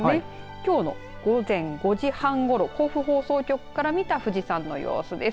きょうの午前５時半ごろ甲府放送局から見た富士山の様子です。